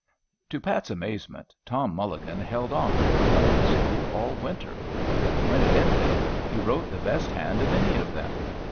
To Pat's amazement, Tom Mulligan held on at the writing school all winter. When it ended, he wrote the best hand of any of them.